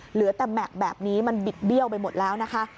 เหลือแต่แม็กซ์แบบนี้มันบิดเบี้ยวไปหมดแล้วนะคะ